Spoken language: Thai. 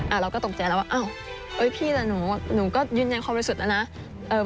อะเราก็ตกใจแล้วว่าเอ้าพี่แต่หนูก็ยืนใจความรู้สึกแล้วนะ